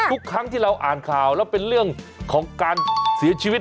ทุกครั้งที่เราอ่านข่าวแล้วเป็นเรื่องของการเสียชีวิต